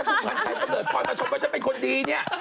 แต่ถ้าทุกวันใช้ตะโดดพรมาชมว่าฉันเป็นคนดีเนี่ย